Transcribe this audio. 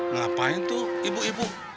ngapain tuh ibu ibu